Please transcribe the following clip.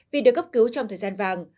vì được cấp cứu trong thời gian vàng